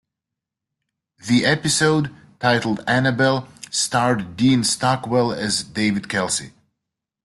The episode, titled "Annabel," starred Dean Stockwell as David Kelsey.